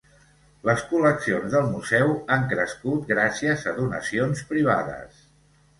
Les col·leccions del museu han crescut gràcies a donacions privades.